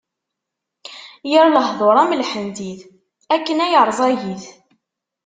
Yir lehduṛ am lḥentit, akken ay ṛẓagit.